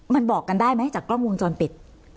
มันบอกกันได้ไหมจากกล้องวงจรปิด